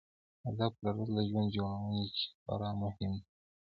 هدف لرل د ژوند جوړونې کې خورا مهم دی.